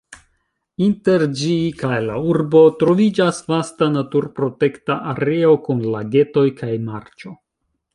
Inter ĝi kaj la urbo troviĝas vasta naturprotekta areo kun lagetoj kaj marĉo.